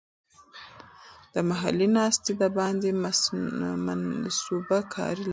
د محلي د ناستې د باندې د منصوبه کارۍ لپاره.